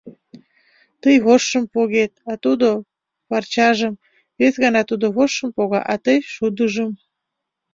Тый вожшым погет, а тудо — парчажым, вес гана тудо вожшым пога, а тый шудыжым.